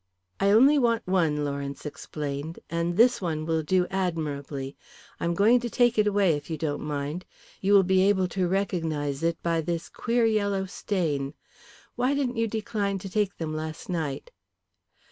"I only want one," Lawrence explained, "and this one will do admirably. I am going to take it away, if you don't mind. You will be able to recognise it by this queer yellow stain. Why didn't you decline to take them last night?"